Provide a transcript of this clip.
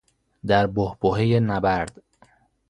در بحبوحهی نبرد